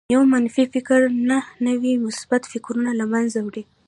يو منفي فکر نهه نوي مثبت فکرونه لمنځه وړي